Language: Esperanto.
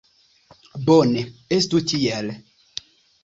Bone, estu tiel.